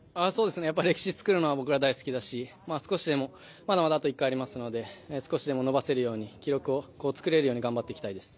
歴史を作るのは僕ら大好きだし、まだあと１回ありますので少しでも伸ばせるように記録を作れるように頑張っていきたいです。